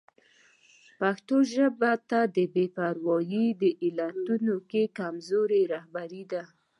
پښتو ژبې ته د بې پرواهي د علتونو کې کمزوري رهبري ده.